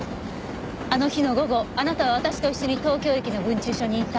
あの日の午後あなたは私と一緒に東京駅の分駐所にいた。